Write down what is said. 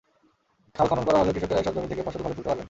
খাল খনন করা হলে কৃষকেরা এসব জমি থেকে ফসল ঘরে তুলতে পারবেন।